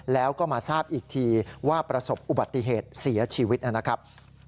แล้วก็มาทราบอีกทีว่าประสบอุบัติเหตุเสียชีวิตนะครับ